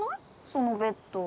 そのベッド。